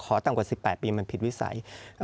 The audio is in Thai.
ต่ำกว่า๑๘ปีมันผิดวิสัย